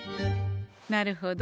なるほど。